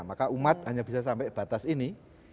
maka umat hanya bisa sampai batas ini